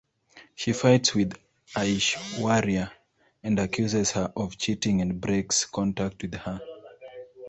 She fights with Aishwarya and accuses her of cheating and breaks contact with her.